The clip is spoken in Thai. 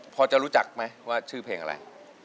พอจะรู้จักไหมว่าชื่อเพลงอะไร